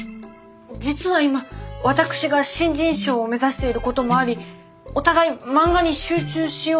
実は今私が新人賞を目指していることもありお互い漫画に集中しようと話してまして。